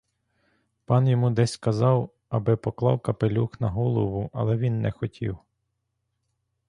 Пан йому десь казав, аби поклав капелюх на голову, але він не хотів.